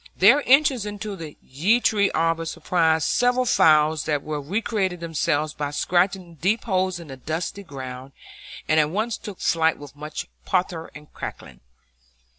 Their entrance into the yew tree arbour surprised several fowls that were recreating themselves by scratching deep holes in the dusty ground, and at once took flight with much pother and cackling.